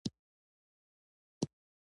د اسلامي پراختیا بانک پور ورکوي؟